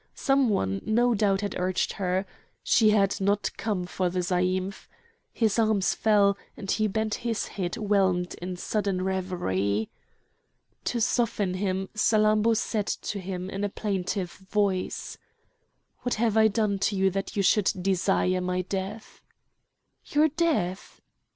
Some one no doubt had urged her. She had not come for the zaïmph. His arms fell, and he bent his head whelmed in sudden reverie. To soften him Salammbô said to him in a plaintive voice: "What have I done to you that you should desire my death?" "Your death!"